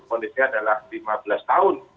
kondisinya adalah lima belas tahun